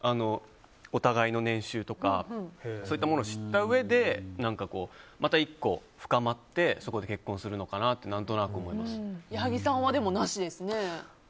お互いの年収とかそういったものを知ったうえでまた１個、深まって結婚するのかなって矢作さんは、なしですね。